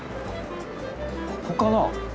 ここかな？